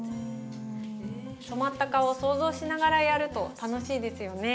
染まった顔を想像しながらやると楽しいですよね。